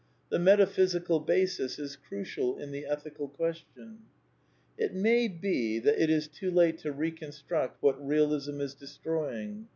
The metaphysical basis is crucial in the ethical question. It may be that it is too late to reconstruct what Eealism is destroying.